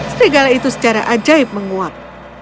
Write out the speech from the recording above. serigala itu secara ajaib menguat